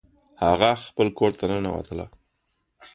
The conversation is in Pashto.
هغه خپل کور ته ننوتله